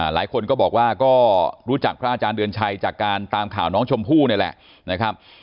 หลายคนก็บอกว่าก็รู้จักพระอาจารย์เดือนชัยจากการตามข่าวน้องชมพู่นี่แหละนะครับ